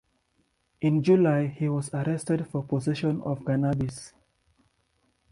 In July, he was arrested for possession of cannabis.